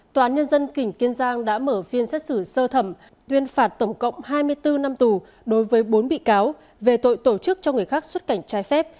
tòa án nhân dân tỉnh kiên giang đã mở phiên xét xử sơ thẩm tuyên phạt tổng cộng hai mươi bốn năm tù đối với bốn bị cáo về tội tổ chức cho người khác xuất cảnh trái phép